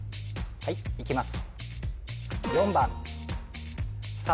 はいいきます